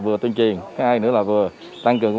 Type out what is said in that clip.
vừa tuyên truyền hai nữa là vừa tăng cường